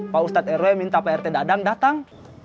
pak ustadz rw minta pak rt dadang datang